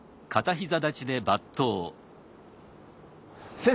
先生